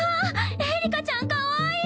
エリカちゃんかわいい！